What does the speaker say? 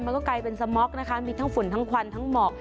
มันก็กลายเป็นสม็อกนะคะมีทั้งฝุ่นทั้งควันทั้งหมอก